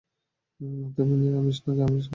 তুমি নিরামিষ নাকি আমিষ খাবার চাও?